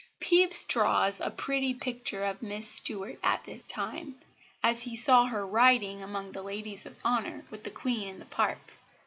Pepys draws a pretty picture of Miss Stuart at this time, as he saw her riding, among the Ladies of Honour, with the Queen in the Park.